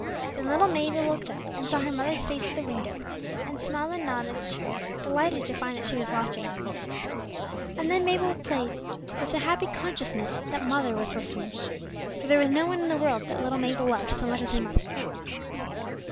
Then little Mabel looked up, and saw her mother's face at the window, and smiled and nodded to her, delighted to find that she was watching. And then Mabel went on playing with a happy consciousness that mother was listening. For there was no one in the world that little Mabel loved so much as her mother.